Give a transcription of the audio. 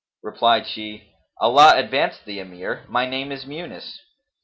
Replied she, "Allah advance the Emir, my name is Muunis."